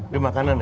di makanan ya